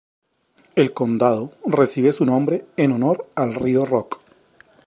El condado recibe su nombre en honor al Río Rock.